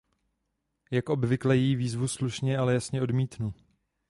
Jako obvykle její výzvu slušně, ale jasně odmítnu.